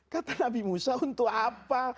kata nabi musa untuk apa